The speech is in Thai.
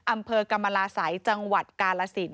อำเภอกรรมลาศัยจังหวัดกาลสิน